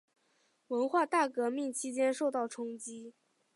文化大革命期间受到冲击。